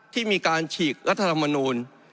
ที่มีการฉีกรัฐธรรมนูล